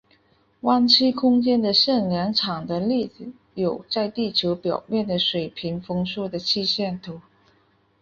弯曲空间的向量场的例子有在地球表面的水平风速的气象图。